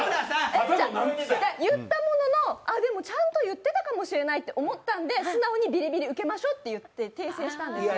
言ったものの、ちゃんと言ってたかもしれないって思ったんで、素直にビリビリ受けましょうって言って訂正したんですよ。